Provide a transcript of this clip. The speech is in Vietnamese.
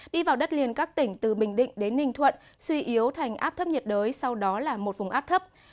đi vào đất liền các tỉnh từ bình định đến ninh thuận suy yếu thành áp thấp nhiệt đới sau đó là một vùng áp thấp